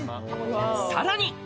さらに。